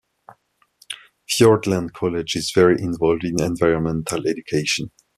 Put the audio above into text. Fiordland College is very involved in environmental education.